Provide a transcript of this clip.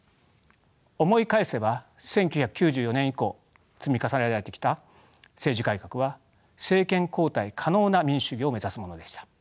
思い返せば１９９４年以降積み重ねられてきた政治改革は政権交代可能な民主主義を目指すものでした。